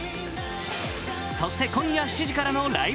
そして今夜７時からの「ライブ！